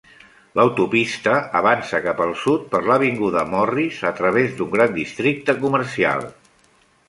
L'autopista avança cap al sud per l'avinguda Morris a través d'un gran districte comercial.